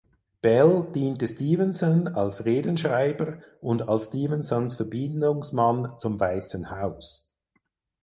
Bell diente Stevenson als Redenschreiber und als Stevensons Verbindungsmann zum Weißen Haus.